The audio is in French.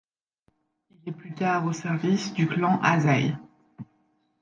Il est plus tard au service du clan Azai.